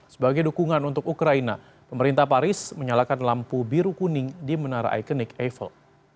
sebagai dukungan untuk ukraina pemerintah paris menyalakan lampu biru kuning di menara ekenik eiffel